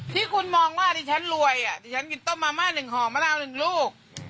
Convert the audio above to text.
ที่คุณมองว่าดิฉันรวยดิฉันกินต้มมาม่า๑ห่อมะนาว๑ลูก